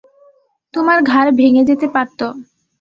তোমার ঘাড় ভেঙে যেতে পারত।